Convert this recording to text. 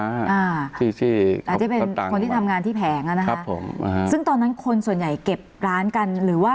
อาจจะเป็นคนที่ทำงานที่แผงอ่ะนะครับผมอ่าฮะซึ่งตอนนั้นคนส่วนใหญ่เก็บร้านกันหรือว่า